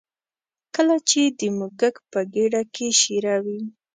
کله چې د موږک په ګېډه کې شېره وي.